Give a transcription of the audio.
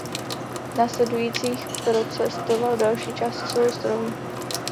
V následujících procestoval další části souostroví.